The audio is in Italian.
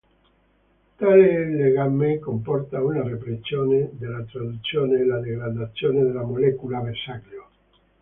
Tale legame comporta una repressione della traduzione o la degradazione della molecola bersaglio.